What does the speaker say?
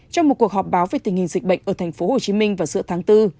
trong một cuộc họp báo về tình hình dịch bệnh ở tp hcm vào giữa tháng bốn